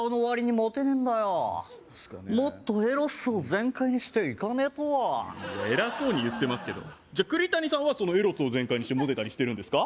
もっとエロスを全開にしていかねえといや偉そうに言ってますけどじゃあ栗谷さんはそのエロスを全開にしてモテたりしてるんですか